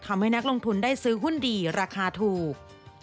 นักลงทุนได้ซื้อหุ้นดีราคาถูก